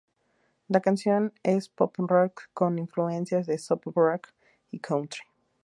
La canción es pop rock con influencias de soft rock y country.